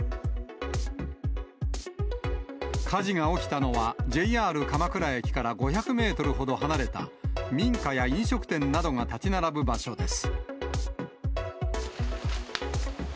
火事が起きたのはＪＲ鎌倉駅から５００メートルほど離れた、民家や飲食店などが建ち並ぶ場所です。